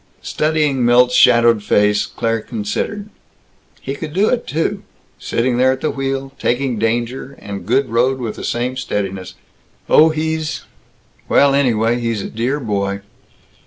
Studying Milt's shadowed face, Claire considered, "He could do it, too. Sitting there at the wheel, taking danger and good road with the same steadiness. Oh, he's well, anyway, he's a dear boy."